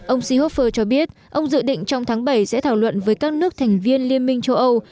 ông seehofer cho biết ông dự định trong tháng bảy sẽ thảo luận với các nước thành viên liên minh châu âu